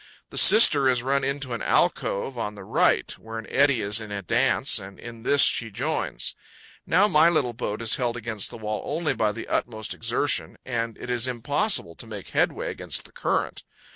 The "Sister" is run into an alcove on the right, where an eddy is in a dance, and in this she joins. Now my little boat is held against the wall only by the utmost exertion, and it is impossible to make headway against the current.